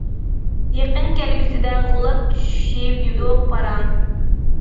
يېقىن كەلگۈسىدە غۇلاپ چۈشىشى يوق پاراڭ.